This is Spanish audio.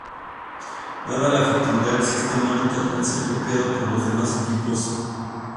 Dada la efectividad del sistema, no tardó en ser copiado por los demás equipos.